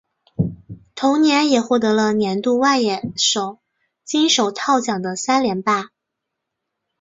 同年也获得了年度外野手金手套奖的三连霸。